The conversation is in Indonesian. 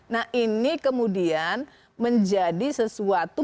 nah ini kemudian menjadi sesuatu